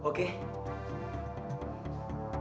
halo kenyat bother